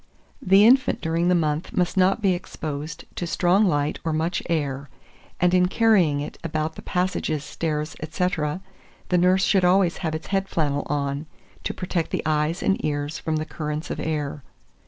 2434. The infant during the month must not be exposed to strong light, or much air; and in carrying it about the passages, stairs, &c., the nurse should always have its head flannel on, to protect the eyes and ears from the currents of air.